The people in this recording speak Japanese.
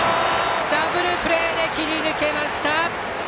ダブルプレーで切り抜けました！